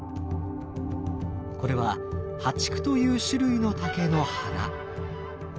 これは淡竹という種類の竹の花。